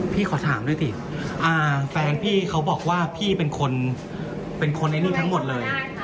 พี่ขอถามด้วยที่แฟนพี่เขาบอกว่าพี่เป็นคนในนี้ทั้งหมดเลย